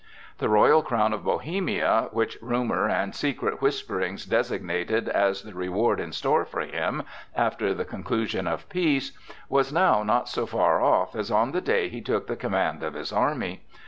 The royal crown of Bohemia, which rumor and secret whisperings designated as the reward in store for him after the conclusion of peace, was now not so far off as on the day he took the command of his army.